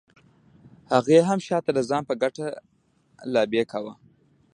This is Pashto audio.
هغې هم شاته د ځان په ګټه لابي کاوه.